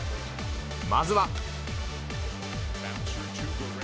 まずは。